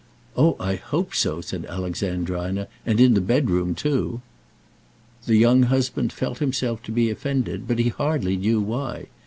"Oh, I hope so," said Alexandrina, "and in the bedroom too." The young husband felt himself to be offended, but he hardly knew why.